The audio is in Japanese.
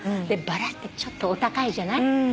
バラってちょっとお高いじゃない？